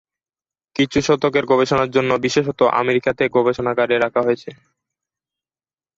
কিছু শতকে গবেষণার জন্য বিশেষত আমেরিকাতে গবেষণাগারে রাখা হয়েছে।